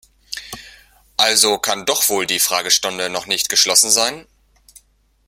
Also kann doch wohl die Fragestunde noch nicht geschlossen sein?